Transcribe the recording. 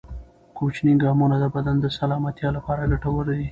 کوچني ګامونه د بدن د سلامتیا لپاره ګټور دي.